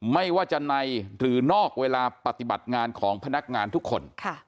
ไม่ว่าจะในหรือนอกเวลาปฏิบัติงานของพนักงานทุกคน